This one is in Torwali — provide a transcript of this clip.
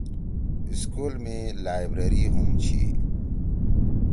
سکول می لائبریری ہُم چھی۔